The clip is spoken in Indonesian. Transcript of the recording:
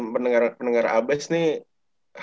pendengar pendengar abes nih